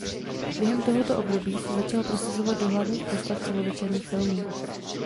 Během tohoto období se začal prosazovat do hlavních postav celovečerních filmů.